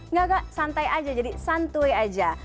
nggak nggak santai aja jadi santuy aja